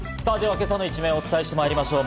今朝の一面をお伝えしてまいりましょう。